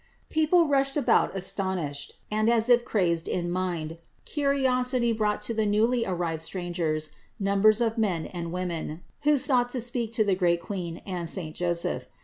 People rushed about astonished and as if crazed in mind; curiosity brought to the newly arrived strangers numbers of men and women, who sought to speak to the great Queen and saint Joseph.